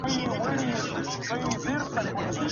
طبي پوهنځۍ په پټه نه بدلیږي.